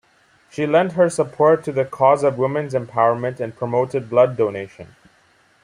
She lent her support to the cause of women's empowerment and promoted blood donation.